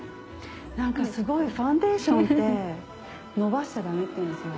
何かすごいファンデーションってのばしちゃダメっていうんですよ。